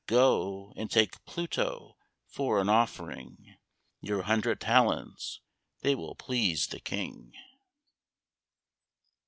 Go and take Pluto, for an offering, Your hundred talents: they will please the king."